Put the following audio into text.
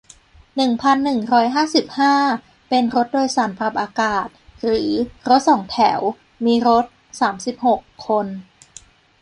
หนึ่งพันหนึ่งร้อยห้าสิบห้า เป็นรถโดยสารปรับอากาศ หรือ รถสองแถว มีรถ สามสิบหก คน